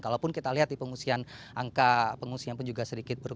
kalaupun kita lihat di pengungsian angka pengungsian pun juga sedikit berbeda